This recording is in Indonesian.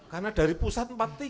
karena dari pusat empat tiga